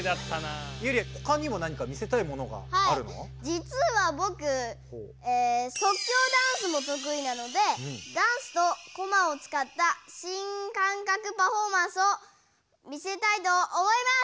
じつはぼく即興ダンスもとくいなのでダンスとコマを使った新感覚パフォーマンスを見せたいと思います！